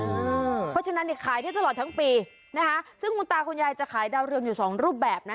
เพราะฉะนั้นเนี่ยขายได้ตลอดทั้งปีนะคะซึ่งคุณตาคุณยายจะขายดาวเรืองอยู่สองรูปแบบนะ